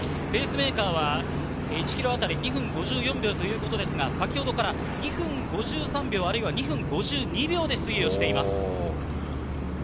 ペースメーカーは１ｋｍあたり２分５４秒ということですが、２分５３秒、２分５２秒で推移をしています。